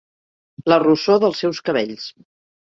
La rossor dels seus cabells.